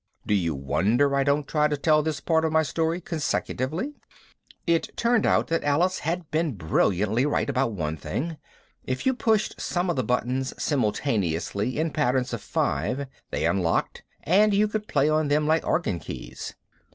(Do you wonder I don't try to tell this part of my story consecutively?) It turned out that Alice had been brilliantly right about one thing: if you pushed some of the buttons simultaneously in patterns of five they unlocked and you could play on them like organ keys.